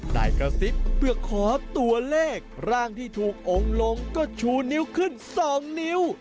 กระซิบเพื่อขอตัวเลขร่างที่ถูกองค์ลงก็ชูนิ้วขึ้น๒นิ้ว